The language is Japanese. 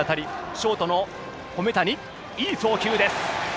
ショートの米谷がいい送球です。